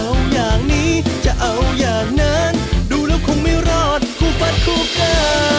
แล้วคงไม่รอดคู่ฟัดคู่กัน